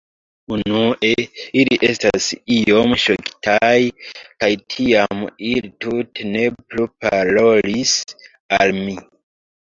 Unue ili estis iom ŝokitaj kaj tiam ili tute ne plu parolis al mi.